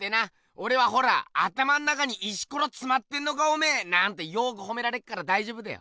おれはほら「頭ん中に石コロつまってんのかおめえ」なんてよくホメられっからだいじょうぶだよ。